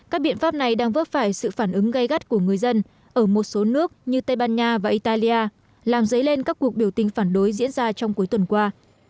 các biện pháp này đang vấp phải sự phản ứng gây gắt của người dân ở một số nước như tây ban nha và italia làm dấy lên các cuộc biểu tình phản đối diễn ra trong cuối tuần qua